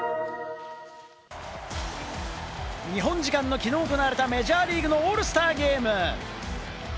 日本時間のきのう行われたメジャーリーグのオールスターゲーム。